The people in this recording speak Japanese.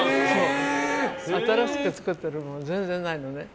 新しく作ってるもの全然ないのね。